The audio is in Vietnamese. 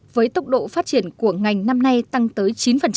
với tốc độ phát triển của ngành năm nay tăng tới chín